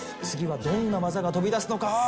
次はどんな技が飛び出すのか。